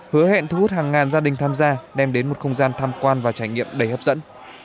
hứa hẹn thu hút hàng ngàn gia đình tham gia đem đến một không gian tham quan và trải nghiệm đầy hấp dẫn